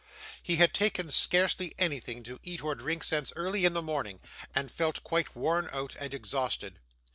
He had taken scarcely anything to eat or drink since early in the morning, and felt quite worn out and exhausted.